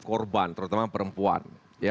korban terutama perempuan